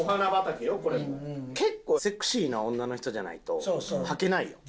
結構セクシーな女の人じゃないとはけないよ。